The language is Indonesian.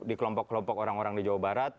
di kelompok kelompok orang orang di jawa barat